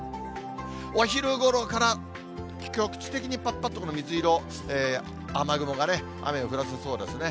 お昼ごろから局地的にぱっぱっと、この水色、雨雲がね、雨を降らせそうですね。